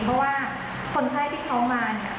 เพราะว่าคนไห้ที่เขามา